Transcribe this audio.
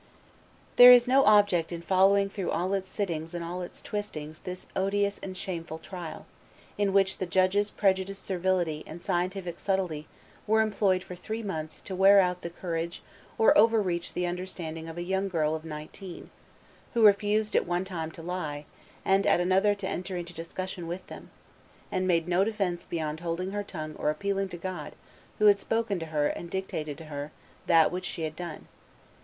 There is no object in following through all its sittings and all its twistings this odious and shameful trial, in which the judges' prejudiced servility and scientific subtlety were employed for three months to wear out the courage or overreach the understanding of a young girl of nineteen, who refused at one time to lie, and at another to enter into discussion with them, and made no defence beyond holding her tongue or appealing to God who had spoken to her and dictated to her that which she had done.